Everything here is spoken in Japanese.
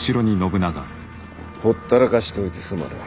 ほったらかしておいてすまぬ。